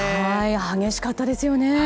激しかったですよね。